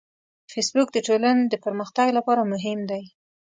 فېسبوک د ټولنې د پرمختګ لپاره مهم دی